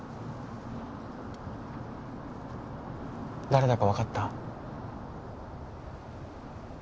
誰だか分かった？